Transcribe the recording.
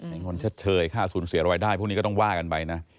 เงินชดเชยค่าสูญเสียรายได้พวกนี้ก็ต้องว่ากันไปนะ